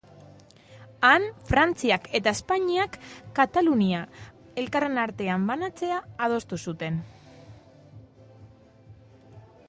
Han, Frantziak eta Espainiak Katalunia elkarren artean banatzea adostu zuten.